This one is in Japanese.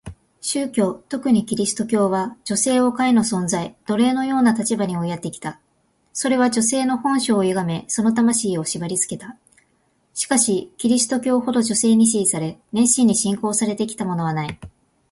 宗教、特にキリスト教は、女性を下位の存在、奴隷のような立場に追いやってきた。それは女性の本性を歪め、その魂を縛りつけた。しかしキリスト教ほど女性に支持され、熱心に信仰されてきたものはない。